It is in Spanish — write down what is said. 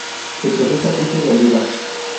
Se produce aceite de oliva.